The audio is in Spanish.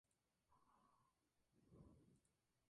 No había opciones para más de un jugador.